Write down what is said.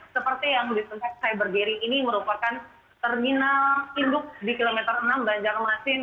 seperti yang disenai cybergiri ini merupakan terminal induk di kilometer enam banjarmasin